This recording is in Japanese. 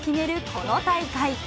この大会。